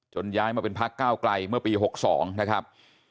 ย้ายมาเป็นพักก้าวไกลเมื่อปี๖๒นะครับ